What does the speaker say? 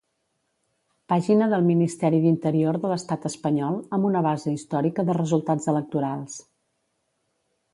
Pàgina del Ministeri d'Interior de l'Estat Espanyol amb una base històrica de resultats electorals.